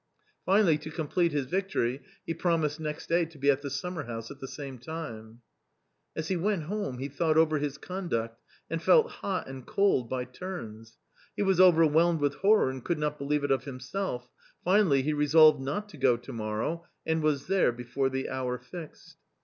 Finally, to complete his victory he pro mised next day to be at the summerhouse at the same time. As he went home, he thought over his conduct and felt hot and cold by turns. He was overwhelmed with horror and could not believe it of himself ; finally, he resolved not to go to morrow .... and was there before the hour fixed.